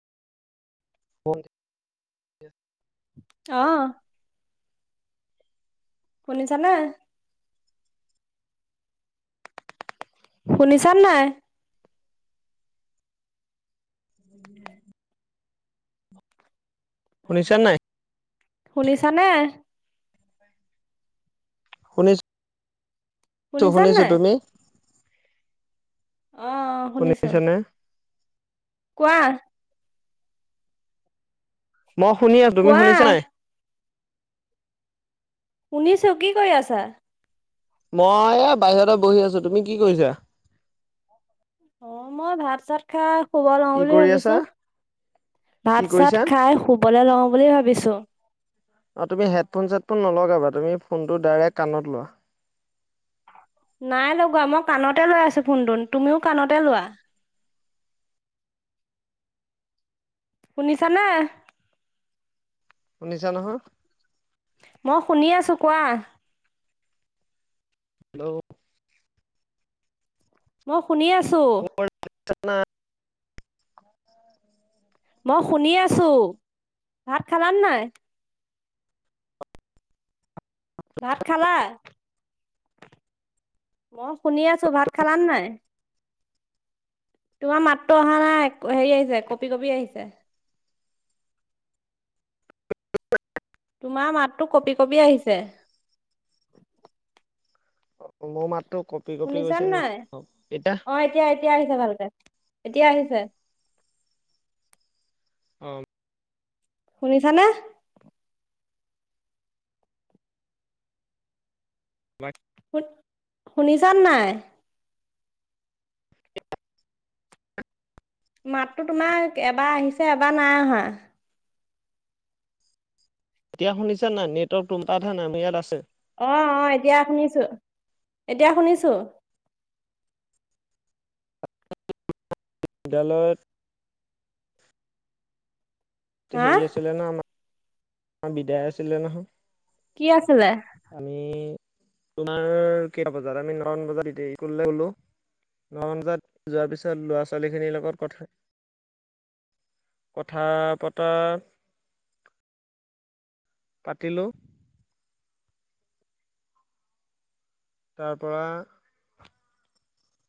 [unintelligible] অ'। শুনিছানে? শুনিছানে নাই? শুনিছনে নাই? শুনিছানে? শুনিছ শুনিছানে নাই? আহ, আহ, শুনিছো। শুনিছানে? কোৱা? মই শুনি আছো। তুমি কোৱা শুনিছা নাই? শুনিছো। কি কৰি আছা? মই এ বাহিৰতে বহি আছো, তুমি কি কৰিছা? অ', মই ভাত-চাত ভাত খাই শুব লও কি বুলি কৰি আছা? ভাবিছো, কি ভাত-চাত কৰিছা? খাই শুব শুবলে লওঁ বুলি ভাবিছোঁ। অ', তুমি হেডফোন-চেডফোন নলগাবা, তুমি ফোনটো ডাইৰেক্ট কাণত লোৱা। নাই লগোৱা, মই কাণতে লৈ আছো ফোনটোন তুমিও কাণতে লোৱা। শুনিছানে? শুনিছা নহয়? মই শুনি আছোঁ, কোৱা? হেল্ল'! মই শুনি আছো। [unintelligible] মই শুনি আছো, ভাত খালানে নাই? ভাত খালা? মই শুনি আছো, ভাত খালানে নাই? তোমাৰ মাতটো অহা নাই, হেৰি আহিছে কপি-কপি আহিছে। তোমাৰ মাততো কপি-কপি আহিছে। মোৰ মাতটো কঁপি-কঁপি শুনিছা গৈছে নি? নাই অ', এতিয়া? [unintelligible] এতিয়া আহিছে ভালকে, এতিয়া আহিছে। অ'। শুনিছানে? হয়। শুনিছানে নাই? মাতটো তোমাৰ এবাৰ আহিছে, এবাৰ নাই অহা। এতিয়া শুনিছানে নাই? নেটৱৰ্ক তুমাৰটাতহে নাই, আমাৰ ইয়াত আছে। অ', অ', এতিয়া শুনিছো, এতিয়া শুনিছো। বিদ্যালয়ত হা হেৰি আছিলে নহয় আমাৰ, আমাৰ বিদায় আছিলে নহয়। কি আছিলে? আমি তোমাৰ কেইটা বজাত, আমি নটা মান বজাত স্কুললে গলো। ন বজাত যোৱাৰ পিছত ল'ৰা ছোৱালী খিনিৰ লগত কথা কথা পতা পাতিলো। তাৰপৰা